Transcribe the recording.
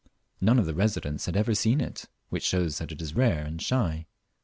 None of the residents had ever seen it, which shows that it is rare and slay.